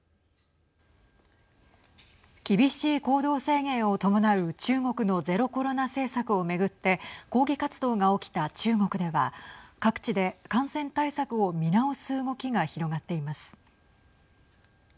厳しい行動制限を伴う中国のゼロコロナ政策を巡って抗議活動が起きた中国では各地で感染対策を見直す動きが広がっています。